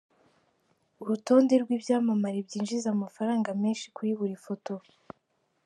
Urutonde rw’ibyamamare byinjiza amafaranga menshi kuri buri foto.